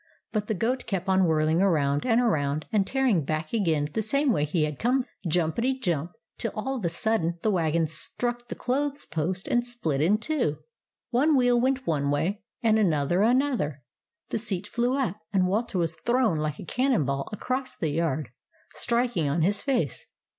But the goat kept on whirling around and around, and tearing back again the same way he had come, jumpety jump, till all of a sudden the wagon struck the clothes post and split in two. One wheel went one way, and another another, the seat flew up, and Walter was thrown like a cannon ball across the yard, striking on his face.